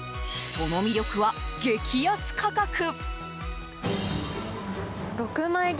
その魅力は激安価格。